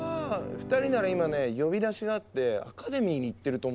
２人なら今ね呼び出しがあってアカデミーに行ってると思いますよ。